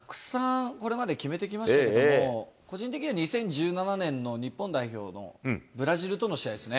たくさんこれまで決めてきましたけども、個人的には２０１７年の日本代表のブラジルとの試合ですね。